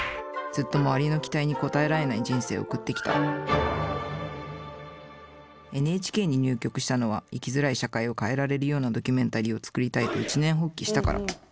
ずっと周りの期待に応えられない人生を送ってきたＮＨＫに入局したのは生きづらい社会を変えられるようなドキュメンタリーを作りたいと一念発起したから。